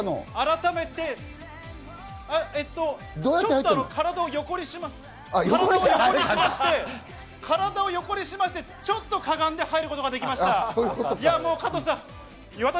えっと、ちょっと体を横にしまして、ちょっとかがんで入ることができました。